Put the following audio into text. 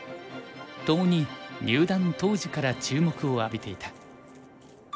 共に入段当時から注目を浴びていた。